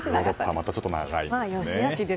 もうちょっと長いんですね。